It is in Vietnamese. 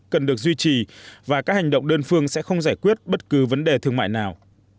cần được duy trì và các hành động đơn phương sẽ không giải quyết bất cứ vấn đề thương mại nào